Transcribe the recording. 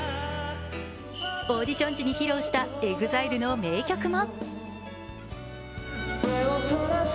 オーディション時に披露したＥＸＩＬＥの名曲も。